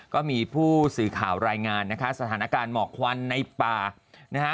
ก็มีผู้สื่อข่าวรายงานนะคะสถานการณ์หมอกควันในป่านะฮะ